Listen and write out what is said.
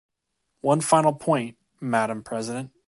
One final point, Madam President.